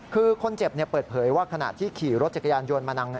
คือคนเจ็บเปิดเผยว่าขณะที่ขี่รถจักรยานยนต์มานาง